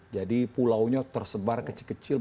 jadi pulaunya tersebar kecil kecil